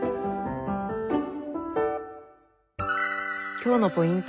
今日のポイント